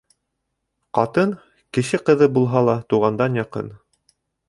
Ҡатын, кеше ҡыҙы булһа ла, туғандан яҡын.